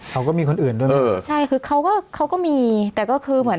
เขาก็มีคนอื่นด้วยนะเออใช่คือเขาก็เขาก็มีแต่ก็คือเหมือน